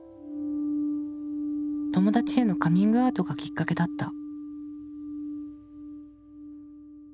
友達へのカミングアウトがきっかけだった。